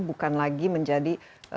bukan lagi menjadi